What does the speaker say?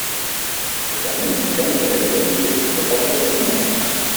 Actualment hi ha un carrer de Granollers que porta el seu nom.